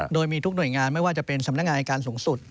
โดยมีทุกหน่วยงานไม่ว่าจะเป็นสำนักงานอายการสูงสุด